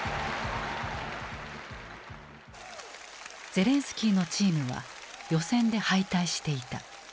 ゼレンスキーのチームは予選で敗退していた。